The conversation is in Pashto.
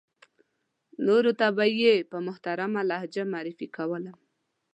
نورو ته به یې په محترمه لهجه معرفي کولم.